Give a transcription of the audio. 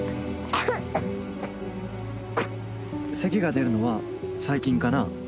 せきが出るのは最近かな？